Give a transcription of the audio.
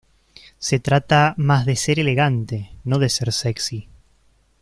Se trata más de ser elegante, no de ser sexy.